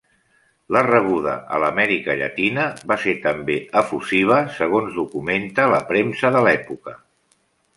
La rebuda a l'Amèrica Llatina va ser també efusiva, segons documenta la premsa de l'època.